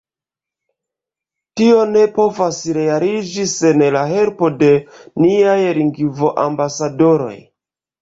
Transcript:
Tio ne povas realiĝi sen la helpo de niaj lingvoambasadoroj.